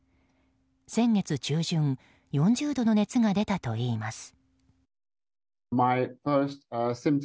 先月中旬４０度の熱が出たといいます。